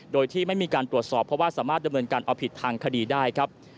โดยที่ไม่มีการตรวจสอบเพราะว่าสามารถดำเนินการเอาผิดทางคดีได้ครับ